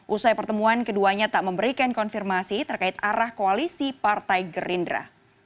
usai pertemuan keduanya tak memberikan konfirmasi terkait arah koalisi partai gerindra